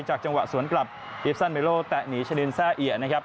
จังหวะสวนกลับอิฟซันเมโลแตะหนีชะลินแซ่เอียนะครับ